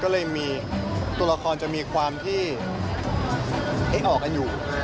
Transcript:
ก็เลยมีตัวละครจะมีความที่ออกกันอยู่